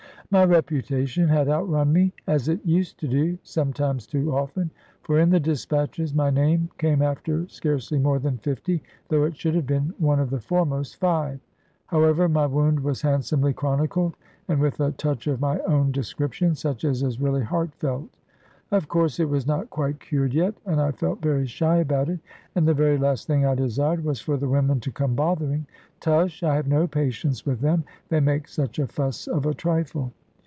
My reputation had outrun me as it used to do, sometimes too often for in the despatches my name came after scarcely more than fifty, though it should have been one of the foremost five; however, my wound was handsomely chronicled, and with a touch of my own description, such as is really heartfelt. Of course it was not quite cured yet, and I felt very shy about it; and the very last thing I desired was for the women to come bothering. Tush! I have no patience with them; they make such a fuss of a trifle.